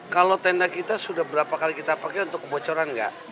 kalau tenda kita sudah berapa kali kita pakai untuk kebocoran nggak